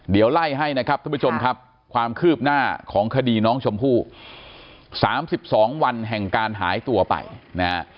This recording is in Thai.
เดี๋ยวไล่ให้นะครับท่านผู้ชมครับความคืบหน้าของคดีน้องชมพู่๓๒วันแห่งการหายตัวไปนะฮะ